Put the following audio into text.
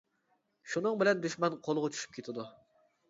شۇنىڭ بىلەن دۈشمەن قۇلىغا چۈشۈپ كېتىدۇ.